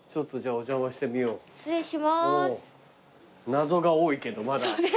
謎が多いけどまだ。